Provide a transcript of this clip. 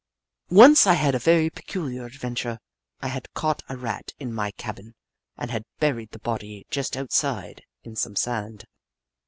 Once I had a very peculiar adventure. I had caught a Rat in my cabin and had buried the body just outside, in some sand.